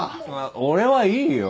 俺はいいよ。